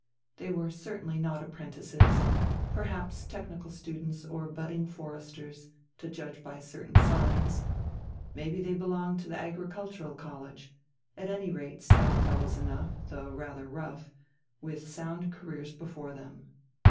They were certainly not apprentices, perhaps technical students or budding foresters, to judge by certain signs; maybe they belonged to the agricultural college; at any rate stout fellows enough, though rather rough, with sound careers before them.